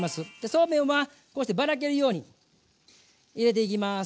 そうめんはこうしてばらけるように入れていきます。